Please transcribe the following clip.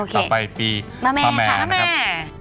ตั้งต่อไปปีมะแม่นะครับ